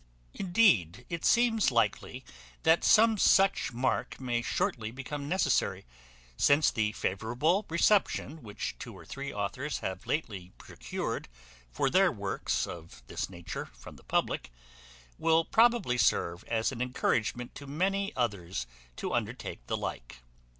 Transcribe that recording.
Indeed, it seems likely that some such mark may shortly become necessary, since the favourable reception which two or three authors have lately procured for their works of this nature from the public, will probably serve as an encouragement to many others to undertake the like.